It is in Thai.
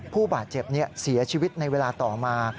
ผู้บาดเจ็บเสียชีวิตในเวลาต่อมา